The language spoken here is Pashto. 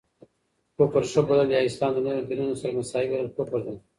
کفر ښه بلل، يا اسلام د نورو دينونو سره مساوي بلل کفر دی.